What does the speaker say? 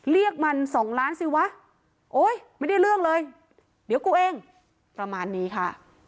เรียกมันสองล้านสิวะโอ๊ยไม่ได้เรื่องเลยเดี๋ยวกูเองประมาณนี้ค่ะ